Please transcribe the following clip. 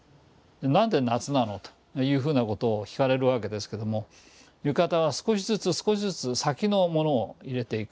何で夏なの？というふうなことを聞かれるわけですけども浴衣は少しずつ少しずつ先のものを入れていく。